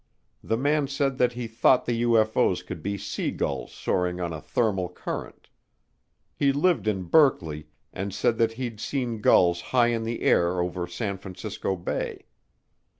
The man said that he thought the UFO's could be sea gulls soaring on a thermal current. He lived in Berkeley and said that he'd seen gulls high in the air over San Francisco Bay.